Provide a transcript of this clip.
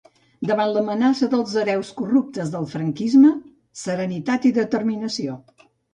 Davant l'amenaça dels hereus corruptes del franquisme, serenitat i determinació.